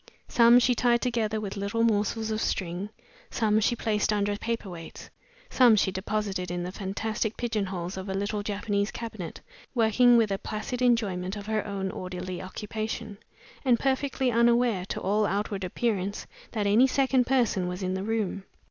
Some she tied together with little morsels of string; some she placed under paper weights; some she deposited in the fantastic pigeon holes of a little Japanese cabinet working with a placid enjoyment of her own orderly occupation, and perfectly unaware, to all outward appearance, that any second person was in the room.